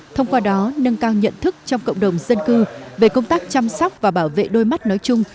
thông qua đó nâng cao nhận thức trong cộng đồng dân cư về công tác chăm sóc và bảo vệ đôi mắt nói chung